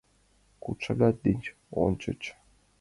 Куд шагат деч ончыч.